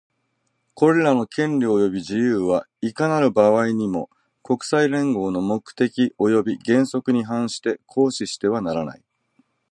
これらの権利及び自由は、いかなる場合にも、国際連合の目的及び原則に反して行使してはならない。